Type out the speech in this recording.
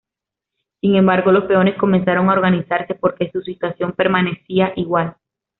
Sin embargo, los peones comenzaron a organizarse, porque su situación permanecía igual.